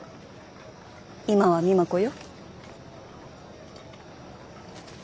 今は美摩子よ。